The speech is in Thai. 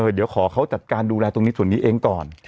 เดี๋ยวขอเขาจัดการดูแลตรงนี้ส่วนนี้เองก่อน